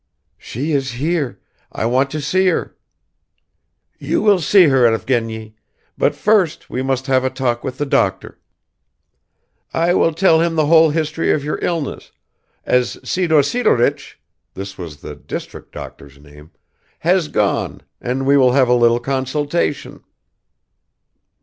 "She is here ... I want to see her." "You will see her, Evgeny; but first we must have a talk with the doctor. I will tell him the whole history of your illness, as Sidor Sidorich (this was the district doctor's name) has gone, and we will have a little consultation."